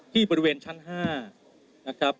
ที่บริเวณชั้น๕นะครับ